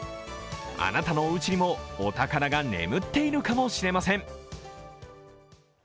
あなたのおうちにもお宝が眠っているかもしれません。